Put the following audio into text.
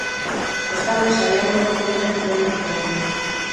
Bestalde, sariak banatuko dira entzuleen artean.